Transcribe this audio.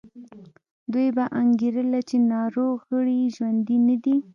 دوی به انګېرله چې ناروغ غړي یې ژوندي نه دي.